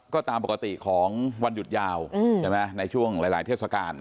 ก็ตามปกติของวันหยุดยาวใช่ไหมในช่วงหลายเทศกาล